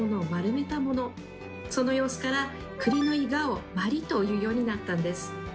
その様子から栗のイガを毬と言うようになったんです。